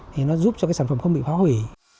thì nó giúp cho cái sản phẩm không bị phá hủy